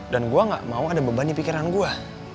dan gue gak mau ada beban di pikiran gue